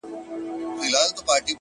د اور ورين باران لمبو ته چي پناه راوړې!!